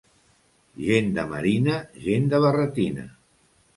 Gent de marina, gent de barretina.